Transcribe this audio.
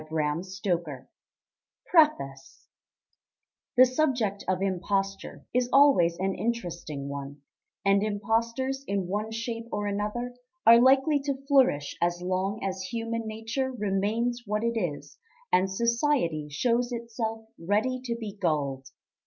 Published November, 1910 PREFACE The subject of imposture is always an interesting one, and impostors in one shape or another are likely to flourish as long as human nature remains what it is, and society shows itself ready to be gulled.